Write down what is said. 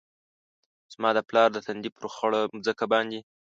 زما د پلار د تندي ، پر خړه مځکه باندي